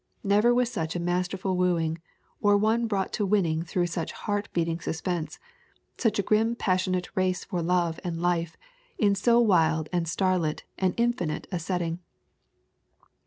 Never was such a masterful wooing, or one brought to winning through such heart beating suspense, such a grim passionate race for love and life in so wild and star lit and infinite a setting."